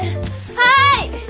はい！